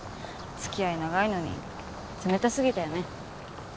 付き合い長いのに冷たすぎたよね。